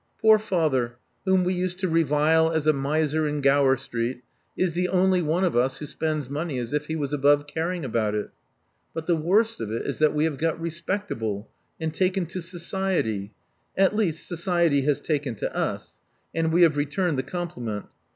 Poor father, whom we used to revile as a miser in Gower Street, is the only one of us who spends money as if he was above caring about it But the worst of it is that we have got respect 76 Love Among the Artists able, and taken to society — at least, society has taken to us; and we have returned the compliment.